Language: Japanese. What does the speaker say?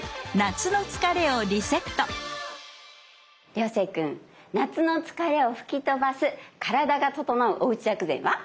涼星君夏の疲れを吹き飛ばす体がととのうおうち薬膳は？